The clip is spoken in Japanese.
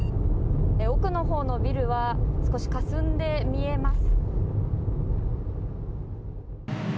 奥のほうのビルは少しかすんで見えます。